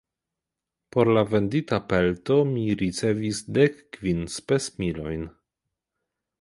Por la vendita pelto mi ricevis dek kvin spesmilojn.